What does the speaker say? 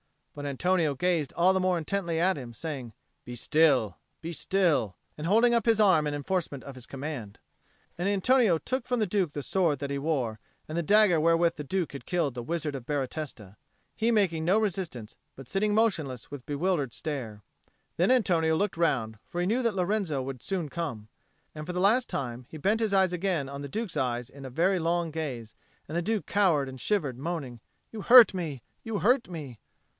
But Antonio gazed all the more intently at him, saying, "Be still, be still!" and holding up his arm in enforcement of his command. And Antonio took from the Duke the sword that he wore and the dagger wherewith the Duke had killed the Wizard of Baratesta, he making no resistance, but sitting motionless with bewildered stare. Then Antonio looked round, for he knew that Lorenzo would soon come. And for the last time he bent his eyes again on the Duke's eyes in a very long gaze and the Duke cowered and shivered, moaning, "You hurt me, you hurt me."